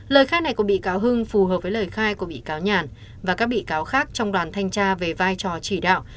lời khai này của bị cáo hưng phù hợp với lời khai của bị cáo nhàn và các bị cáo khác trong đoàn thanh tra về vai trò chỉ đạo